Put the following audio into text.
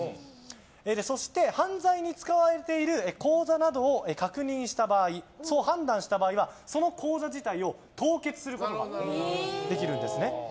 そして、犯罪に使われている口座だと判断した場合その口座自体を凍結することができるんですね。